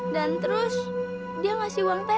dan terus dia ngasih uang tete